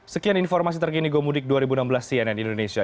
sekian informasi terkini gomudik dua ribu enam belas cnn indonesia